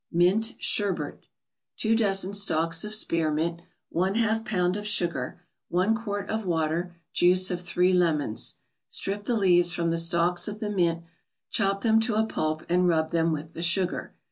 MINT SHERBET 2 dozen stalks of spearmint 1/2 pound of sugar 1 quart of water Juice of three lemons Strip the leaves from the stalks of the mint, chop them to a pulp and rub them with the sugar.